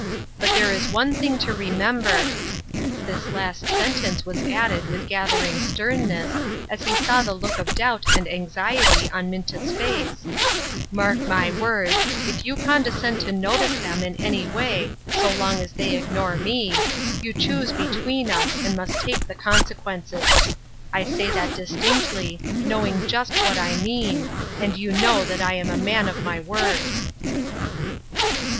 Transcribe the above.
But there is one thing to remember "— this last sentence was added with gathering sternness, as he saw the look of doubt and anxiety on Minta's face: — "mark my words, if you condescend to notice them in any way, so long as they ignore me, you choose be tween us, and must take the consequences. I say that distinctly, knowing just what I mean, and you know that I am a man of my word."